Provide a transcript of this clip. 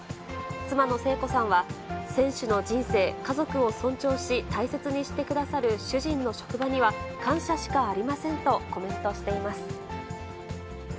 妻の聖子さんは、選手の人生、家族を尊重し、大切にしてくださる主人の職場には、感謝しかありませんとコメントしています。